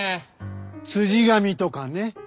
「辻神」とかね。